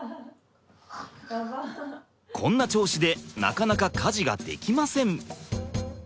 こんな調子でなかなか家事ができません。